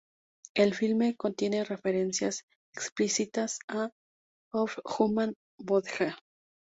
El filme contiene referencias explícitas a "Of Human Bondage".